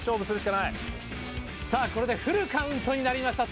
さあこれでフルカウントになりました。